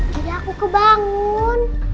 jadi aku kebangun